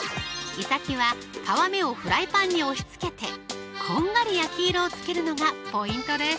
いさきは皮目をフライパンに押しつけてこんがり焼き色をつけるのがポイントです